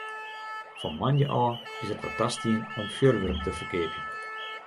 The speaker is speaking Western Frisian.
Fan moandei ôf is it wer tastien om fjurwurk te ferkeapjen.